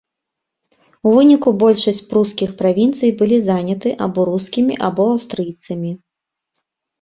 У выніку большасць прускіх правінцый былі заняты або рускімі, або аўстрыйцамі.